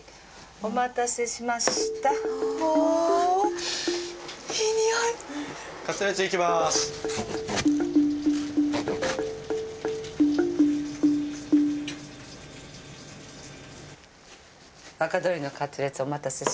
お待たせしました。